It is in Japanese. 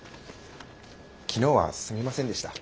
昨日はすみませんでした。